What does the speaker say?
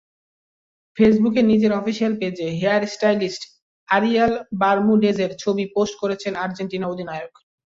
ফেসবুকে নিজের অফিশিয়াল পেজে হেয়ারস্টাইলিস্ট আরিয়েল বারমুদেজের ছবি পোস্ট করেছেন আর্জেন্টিনা অধিনায়ক।